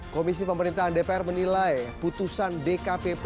komisi pemerintahan dpr menilai putusan dkpp